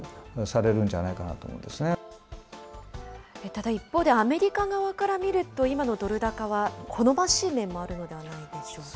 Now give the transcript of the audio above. ただ一方で、アメリカ側から見ると、今のドル高は好ましい面もあるのではないでしょうか。